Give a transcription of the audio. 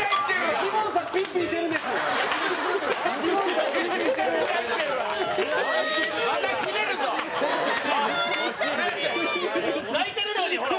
小杉：泣いてるのに、ほら。